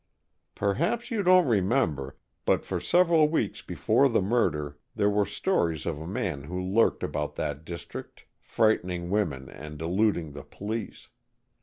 "Perhaps you don't remember, but for several weeks before the murder there were stories of a man who lurked about that district, frightening women and eluding the police.